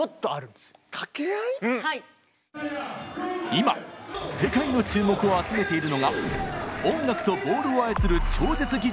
今世界の注目を集めているのが「音楽」と「ボールを操る超絶技術」の組み合わせ